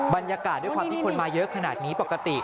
บรรยากาศด้วยความที่คนมาเยอะขนาดนี้ปกติ